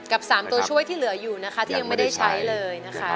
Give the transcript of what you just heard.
กับ๓ตัวช่วยที่เหลืออยู่นะคะที่ยังไม่ได้ใช้เลยนะคะ